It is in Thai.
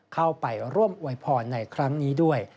เข้าไปร่วมอวยพรในครั้งนี้ด้วย